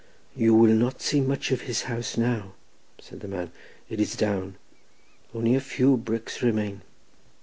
"You will not see much of his house now," said the man—"it is down; only a few bricks remain."